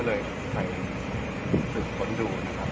ก็เลยไปฝึกคนรู้นะครับ